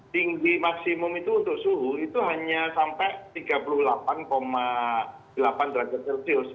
tinggi maksimum itu untuk suhu itu hanya sampai tiga puluh delapan delapan derajat celcius